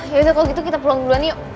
yaudah kalau gitu kita pulang duluan yuk